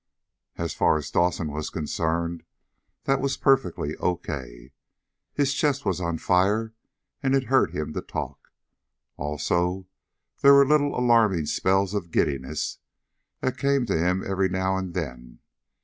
As far as Dawson was concerned, that was perfectly okay. His chest was on fire, and it hurt him to talk. Also, there were little alarming spells of giddiness that came to him every now and then.